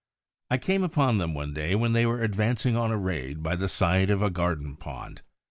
I came upon them one day when they were advancing on a raid by the side of a garden pond.